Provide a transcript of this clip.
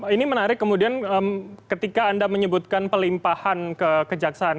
ini menarik kemudian ketika anda menyebutkan pelimpahan ke kejaksaan